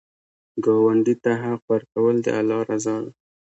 ګاونډي ته حق ورکول، د الله رضا ده